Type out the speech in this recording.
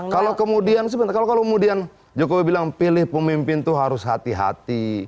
kalau kemudian sebentar kalau kemudian jokowi bilang pilih pemimpin itu harus hati hati